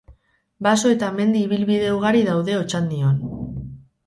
Baso eta mendi ibilbide ugari daude Otxandion.